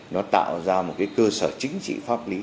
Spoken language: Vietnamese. nó tạo ra một cái cơ sở chính trị pháp lý